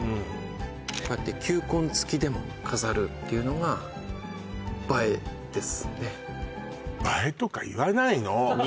こうやって球根つきでも飾るっていうのがですね